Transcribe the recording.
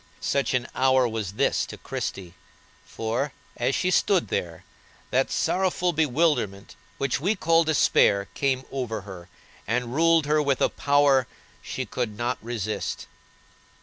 Such an hour was this to Christie, for, as she stood there, that sorrowful bewilderment which we call despair came over her, and ruled her with a power she could not resist.